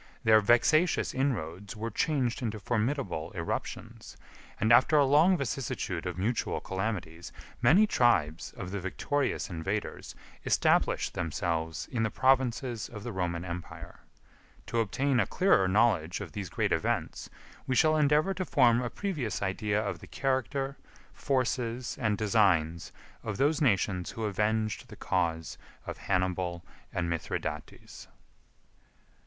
Their vexatious inroads were changed into formidable irruptions, and, after a long vicissitude of mutual calamities, many tribes of the victorious invaders established themselves in the provinces of the Roman Empire. To obtain a clearer knowledge of these great events, we shall endeavor to form a previous idea of the character, forces, and designs of those nations who avenged the cause of Hannibal and Mithridates.